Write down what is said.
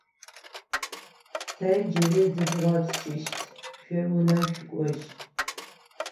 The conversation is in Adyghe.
Тэ джыри зыдгъэпскӏыщт, шъо унэм шъукӏожь.